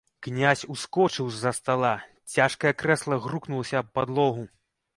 Князь ускочыў з-за стала, цяжкае крэсла грукнулася аб падлогу.